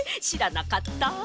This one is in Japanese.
しらなかった。